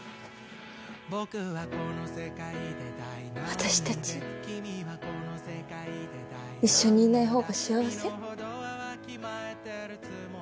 私たち一緒にいない方が幸せ？